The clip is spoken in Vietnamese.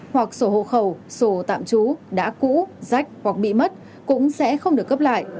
hoặc sổ hộ khẩu sổ tạm trú đã cũ rách hoặc bị mất cũng sẽ không được cấp lại